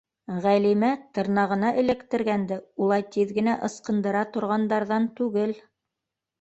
Ғәлимә тырнағына эләктергәнде улай тиҙ генә ысҡындыра торғандарҙан түгел!